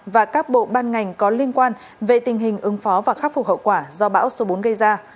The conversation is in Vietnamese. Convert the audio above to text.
và các bộ ban ngành có liên quan về tình hình ứng phó và khắc phục hậu quả do bão số bốn gây ra